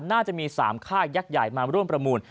น่าจะมี๓ค่ายยักษ์ใหญ่มาร่วมประมูล